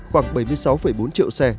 khoảng bảy mươi sáu bốn triệu xe